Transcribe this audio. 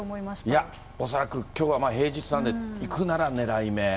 いや、恐らくきょうは平日なんで、行くならねらいめ。